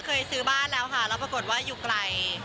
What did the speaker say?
เคยซื้อบ้านแล้วค่ะแล้วปรากฏว่าอยู่ไกล